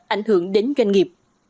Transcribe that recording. ảnh hưởng đến doanh nghiệp